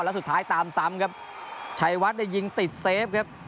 แล้วสุดท้ายตามซ้ำครับชัยวัดได้ยิงติดเซฟครับ